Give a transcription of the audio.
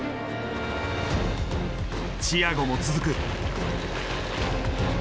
チアゴも続く。